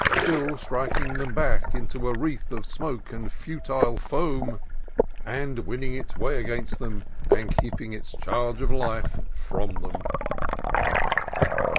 . still striking them back into a wreath of smoke and futile foam, and winning its 210 CALIFORNIA COAST TRAILS way against them, and keeping its charge of life from them."